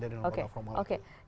dari lembaga formal